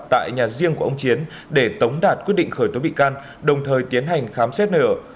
tại nhà riêng của ông chiến để tống đạt quyết định khởi tố bị can đồng thời tiến hành khám xét nơi ở